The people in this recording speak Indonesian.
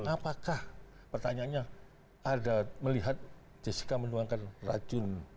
apakah pertanyaannya ada melihat jessica menuangkan racun